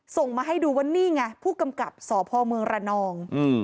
ส่งมาให้ดูว่านี่ไงผู้กำกับสพเมืองระนอง